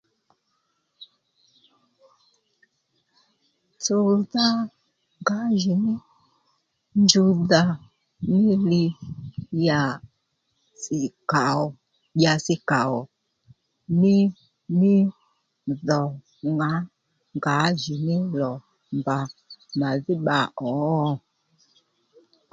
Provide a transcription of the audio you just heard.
Tsuwdha ngǎjìní njuwdha mí dhi dya si kaò dyasi kàò mí mí dho ŋǎ ngǎjìní lò mbà màdhí bba ò?